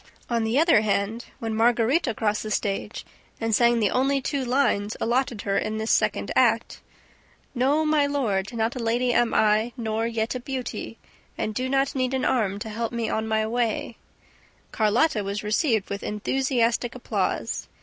On the other hand, when Margarita crossed the stage and sang the only two lines allotted her in this second act: "No, my lord, not a lady am I, nor yet a beauty, And do not need an arm to help me on my way," Carlotta was received with enthusiastic applause.